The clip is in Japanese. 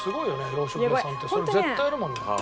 洋食屋さんってそれ絶対やるもんね。